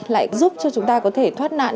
lại giúp cho chúng ta có thể thoát nạn